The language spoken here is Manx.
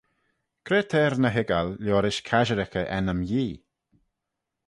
Cre t'er ny hoiggal liorish casherickey ennym Yee?